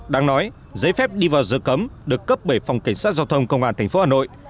đáng nói giấy phép đi vào giờ cấm được cấp bởi phòng cảnh sát giao thông công an tp hà nội